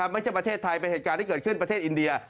ไม่ใช่ประเทศไทยเป็นเหตุการณ์ที่เกิดขึ้นประเทศอินเดีย